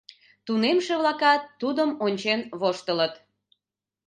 Тунемше-влакат тудым ончен воштылыт.